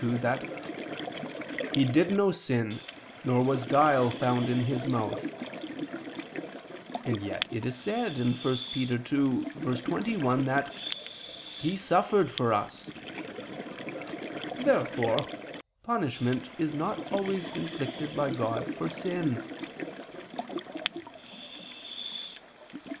2:22) that "He did no sin, nor was guile found in His mouth." And yet it is said (1 Pet. 2:21) that "He suffered for us." Therefore punishment is not always inflicted by God for sin.